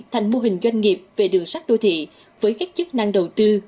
thành mô hình doanh nghiệp về đường sắt đô thị với các chức năng đầu tư